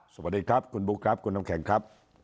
สวัสดีครับคุณบุ๊คครับคุณน้ำแข็งครับ